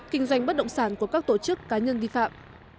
kinh doanh bất động sản của các tổ chức cá nhân vi phạm